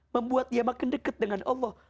membuat dia makin dekat dengan allah